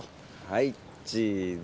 はいチーズ。